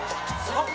あっ！